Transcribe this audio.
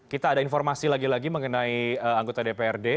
kita ada informasi lagi lagi mengenai anggota dprd